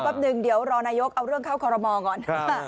แป๊บนึงเดี๋ยวรอนายกเอาเรื่องเข้าคอรมอก่อน